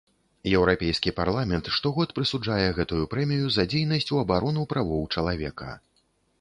Еўрапейскі парламент штогод прысуджае гэтую прэмію за дзейнасць у абарону правоў чалавека.